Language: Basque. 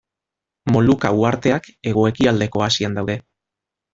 Moluka uharteak hego-ekialdeko Asian daude.